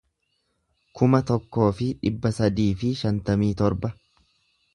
kuma tokkoo fi dhibba sadii fi shantamii torba